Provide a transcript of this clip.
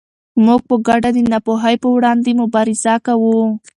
موږ په ګډه د ناپوهۍ پر وړاندې مبارزه کوو.